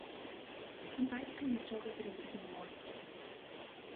А бацька нічога зрабіць не можа.